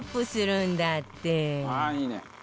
ああいいね。